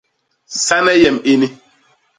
Sane yem ini!